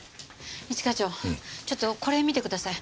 一課長ちょっとこれ見てください。